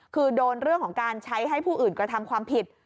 คือโดนเรื่องของการใช้ให้ผู้อื่นกระทำความผิด